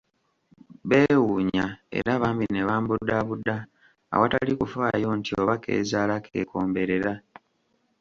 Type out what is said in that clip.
Beewuunya era bambi ne bambudaabuda awatali kufaayo nti oba k'ezaala k'ekomberera.